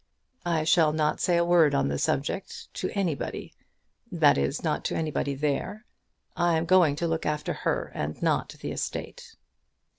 "I shall not say a word on the subject, to anybody; that is, not to anybody there. I am going to look after her, and not the estate."